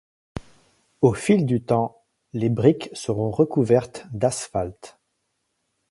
Au fil du temps, les briques seront recouvertes d'asphalte.